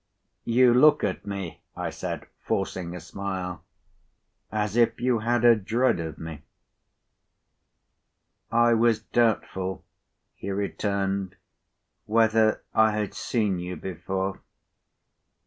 "You look at me," I said, forcing a smile, "as if you had a dread of me." "I was doubtful," he returned, "whether I had seen you before."